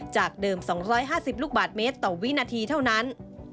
จากเดิม๒๕๐ลูกบาทเมตรต่อวินาทีเท่านั้น